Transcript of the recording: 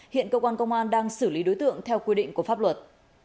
hiện cơ quan công an đang xử lý đối tượng theo quy định của pháp luật